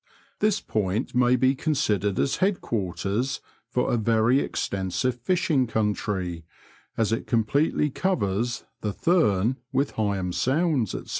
This point may be considered as headquarters for a very extensive fishing country, as it completely covers the Thum, with Heigham Sounds, &c.